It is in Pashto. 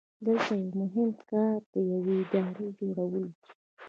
دلته یو مهم کار د یوې ادارې جوړول دي.